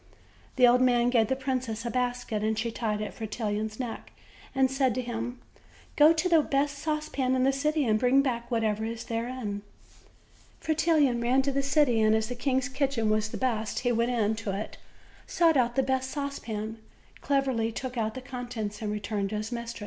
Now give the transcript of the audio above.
The old man gave the princess a basket; she tied it to Fretillon's neck, and said to him: "Go to the best sauce pan in the city, and bring back whatever is therein," 186 OLD, OLD FAIRY TALES. Fretillon ran to the city; and, as the king's kitchen waa the best, he went into it, sought out the best saucepan, cleverly took out the contents, and returned to his mis tress.